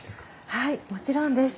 はいもちろんです。